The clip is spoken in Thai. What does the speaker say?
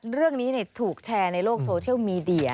เรื่องนี้ถูกแชร์ในโลกโซเชียลมีเดีย